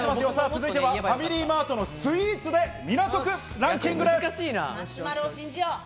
続いてはファミリーマートのスイーツで港区ランキングです。